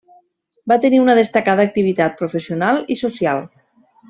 Va tenir una destacada activitat professional i social.